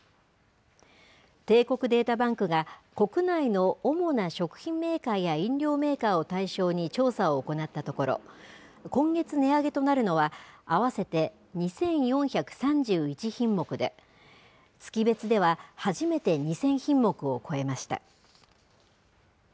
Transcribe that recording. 帝国データバンクが、国内の主な食品メーカーや飲料メーカーを対象に調査を行ったところ、今月値上げとなるのは、合わせて２４３１品目で、月別では初めて２０００品目を超えました。